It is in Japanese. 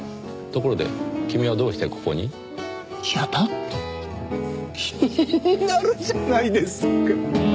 ところで君はどうしてここに？いやだって気になるじゃないですか。